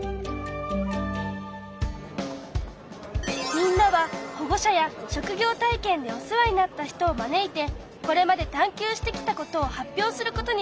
みんなは保護者や職業体験でお世話になった人を招いてこれまで探究してきたことを発表することにしたんだ。